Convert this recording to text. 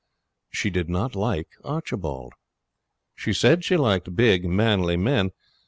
She did not like Archibald. She said she liked big, manly men.